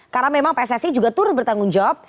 karena memang pssi juga turut bertanggung jawab